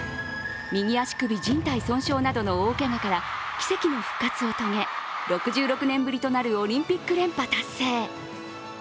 右足首じん帯損傷などの大けがから奇跡の復活を遂げ６６年ぶりとなるオリンピック連覇達成。